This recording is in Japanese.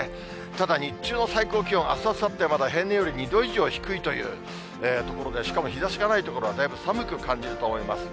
ただ、日中の最高気温、あす、あさっては、まだ平年より２度以上低いというところで、しかも日ざしがない所は、寒く感じると思います。